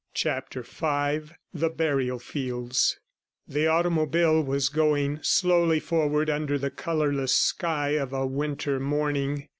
CHAPTER V THE BURIAL FIELDS The automobile was going slowly forward under the colorless sky of a winter morning.